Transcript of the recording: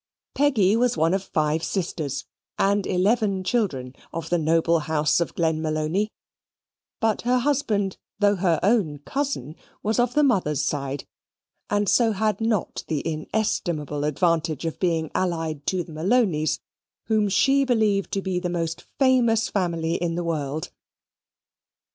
Peggy was one of five sisters, and eleven children of the noble house of Glenmalony; but her husband, though her own cousin, was of the mother's side, and so had not the inestimable advantage of being allied to the Malonys, whom she believed to be the most famous family in the world.